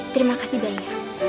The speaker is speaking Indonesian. terima kasih banyak